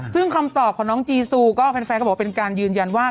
ซึ่งคำตอบของน้องจีซูก็แฟนก็บอกว่าเป็นการยืนยันว่า